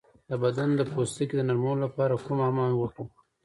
د بدن د پوستکي د نرمولو لپاره کوم حمام وکړم؟